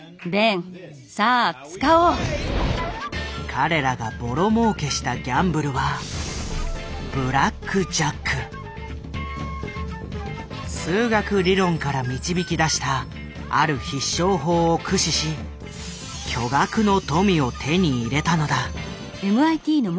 彼らがボロもうけしたギャンブルは数学理論から導き出したある必勝法を駆使し巨額の富を手に入れたのだ。